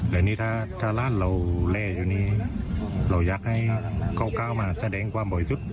แต่นี่ถ้าร้านเราแร่อยู่นี่เราอยากให้เขาก้าวมาแสดงความบริสุทธิ์